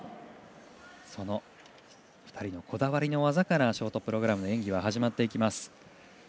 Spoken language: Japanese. その２人のこだわりの技からショートプログラムの演技は始まっていきます。